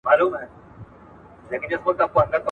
د پانی پت جګړې د افغانانو نوم څنګه اوچت کړ؟